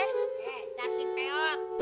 eh jatik peong